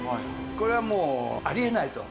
これはもうあり得ないと。